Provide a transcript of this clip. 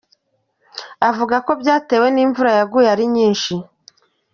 Avuga ko byatewe n’imvura yaguye ari nyinshi.